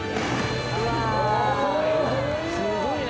・すごいな。